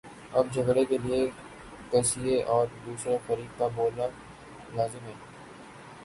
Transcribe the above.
اب جھگڑے کے لیے قضیے اور دوسرے فریق کا ہونا لازم ہے۔